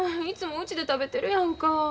いつもうちで食べてるやんか。